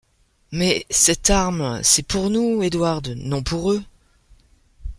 Mais, cette arme, c’est pour nous, Edward, non pour eux !...